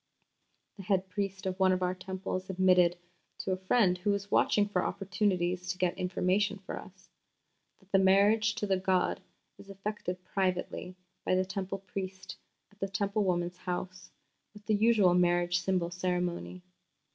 The head priest of one of our Temples admitted to a friend who was watching for opportunities to get information for us that the "marriage to the god is effected privately by the Temple priest at the Temple woman's house, with the usual marriage symbol ceremony.